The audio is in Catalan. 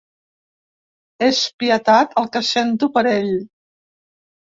És pietat el que sento per ell.